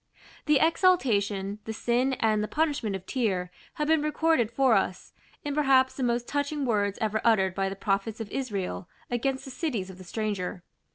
The exaltation, the sin, and the punishment of Tyre have been recorded for us, in perhaps the most touching words ever uttered by the Prophets of Israel against the cities of the stranger.